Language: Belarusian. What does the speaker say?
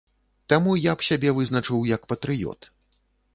Таму я б сябе вызначыў як патрыёт.